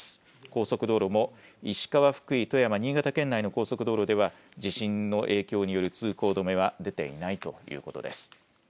高速道路も石川、福井、富山、新潟県内の高速道路では地震の影響による通行止めは出ていないということです。